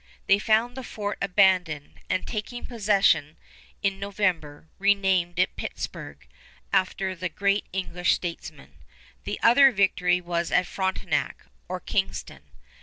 They found the fort abandoned, and, taking possession in November, renamed it Pittsburg after the great English statesman. The other victory was at Frontenac, or Kingston.